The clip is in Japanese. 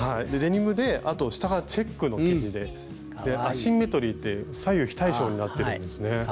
デニムであと下がチェックの生地でアシンメトリーで左右非対称になっているんですね。